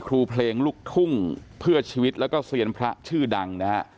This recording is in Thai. ครูเพลงลูกทุ่งเพื่อชีวิตแล้วก็เซียนพระชื่อดังนะฮะ